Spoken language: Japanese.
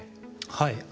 はい。